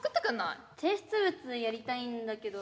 提出物やりたいんだけど。